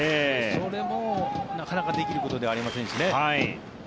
それもなかなかできることではありませんしね。